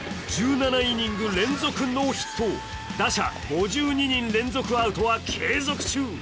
１７イニング連続ノーヒット、打者５２人連続アウトは継続中。